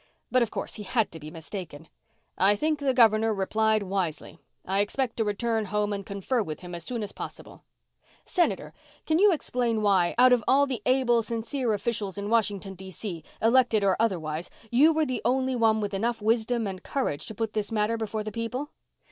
But, of course, he had to be mistaken. "I think the governor replied wisely. I expect to return home and confer with him as soon as possible." "Senator, can you explain why, out of all the able, sincere officials in Washington, D.C., elected or otherwise, you were the only one with enough wisdom and courage to put this matter before the people?"